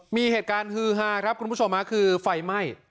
มีเหตุการณ์ฮือฮาครับคุณผู้ชมคือไฟไหม้